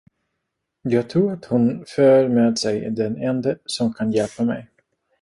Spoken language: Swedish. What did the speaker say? Jag tror, att hon för med sig den ende, som kan hjälpa mig.